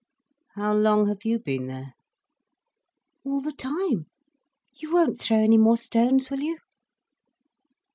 "How long have you been there?" "All the time. You won't throw any more stones, will you?"